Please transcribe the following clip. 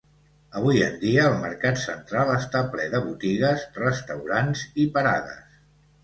Avui en dia el mercat central està ple de botigues, restaurants i parades.